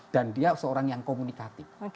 dan dia seorang yang komunikatif